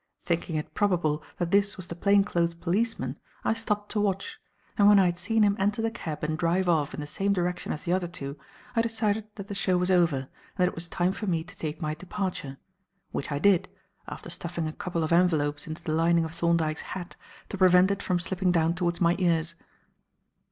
Thinking it probable that this was the plain clothes policeman, I stopped to watch; and when I had seen him enter the cab and drive off in the same direction as the other two, I decided that the show was over and that it was time for me to take my departure; which I did, after stuffing a couple of envelopes into the lining of Thorndyke's hat, to prevent it from slipping down towards my ears.